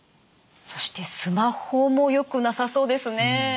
そしてスマホもよくなさそうですね。